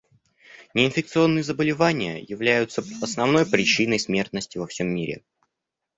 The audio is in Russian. Неинфекционные заболевания являются основной причиной смертности во всем мире.